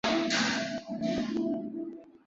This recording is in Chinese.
创始人还希望鼓励女性接受高等教育。